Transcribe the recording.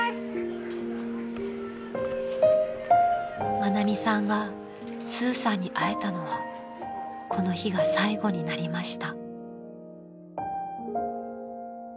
［愛美さんがスーさんに会えたのはこの日が最後になりました］